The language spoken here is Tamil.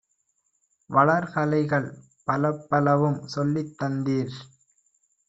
வளர்கலைகள் பலப்பலவும் சொல்லித் தந்தீர்!